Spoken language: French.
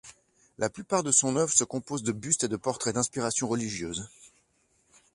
La plupart de son œuvre se compose de bustes et de portraits d'inspiration religieuse.